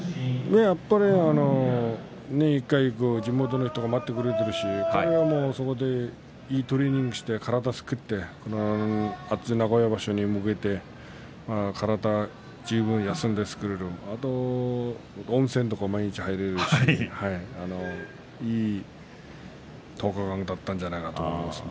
やっぱり年に１回地元の人たちが待ってくれているしいいトレーニングをして体を作って、名古屋場所に向けて体を十分に作るあと温泉とか毎日入ることができるしいい１０日間だったんじゃないかなと思います。